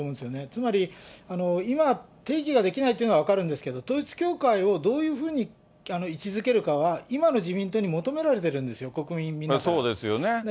つまり、今、定義ができないっていうのは分かるんですけど、統一教会をどういうふうに位置づけるかは、今の自民党に求められてるんですよ、国そうですよね。